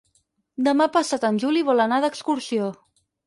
Demà passat en Juli vol anar d'excursió.